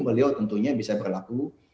beliau tentunya bisa berlaku